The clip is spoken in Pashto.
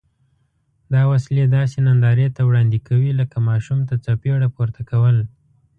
دا وسلې داسې نندارې ته وړاندې کوي لکه ماشوم ته څپېړه پورته کول.